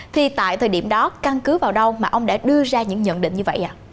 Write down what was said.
thì tại thời điểm đó căn cứ vào đâu mà ông đã đưa ra những nhận định như vậy ạ